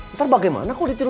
ntar bagaimana kok ditiru